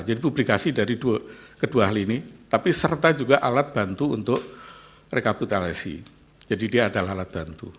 jadi publikasi dari kedua hal ini tapi serta juga alat bantu untuk rekaput alasi jadi dia adalah alat bantu